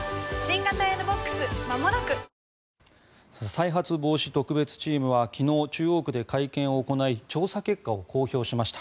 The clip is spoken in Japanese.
再発防止特別チームは昨日、中央区で会見を行い調査結果を公表しました。